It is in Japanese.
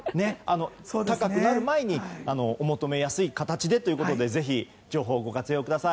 高くなる前にお求めやすい形でということでぜひ、情報をご活用ください。